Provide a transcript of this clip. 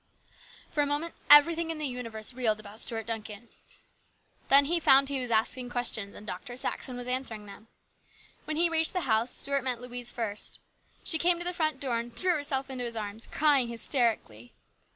For a moment everything in the universe reeled about Stuart Duncan. Then he found he was asking questions and Dr. Saxon was answering them. When they reached the house, Stuart met Louise first. She came to the front door and threw herself into his arms, crying hysterically.